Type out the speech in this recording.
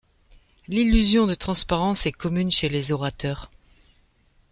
L'illusion de transparence est commune chez les orateurs.